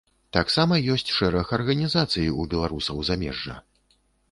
Таксама ёсць шэраг арганізацый у беларусаў замежжа.